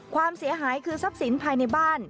ความเสียหายคือทรัพย์สินภายในบ้าน